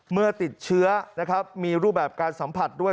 เมื่อติดเชื้อนะครับมีรูปแบบการสัมผัสด้วย